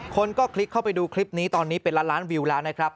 คนก็คลิกเข้าไปดูคลิปนี้ตอนนี้เป็นล้านล้านวิวแล้วนะครับ